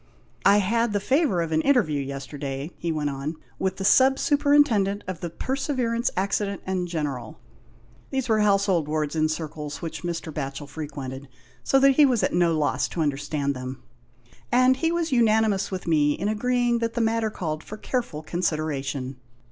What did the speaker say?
" I had the favour of an interview yesterday," he went on, "with the Sub Superin tendent of the Perseverance Accident and General (these were household Tvords in circles which Mr. Batchel frequented, so that he was at no loss to understand them), and he was unani mous with me in agreeing that the matter called for careful consideration.